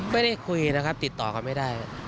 ไม่ได้คุยนะครับติดต่อเขาไม่ได้